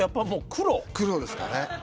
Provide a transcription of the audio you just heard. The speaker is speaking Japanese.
黒ですかね。